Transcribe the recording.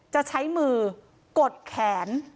จะใช้มือกดแขน